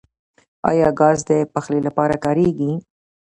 آیا ګاز د پخلي لپاره کاریږي؟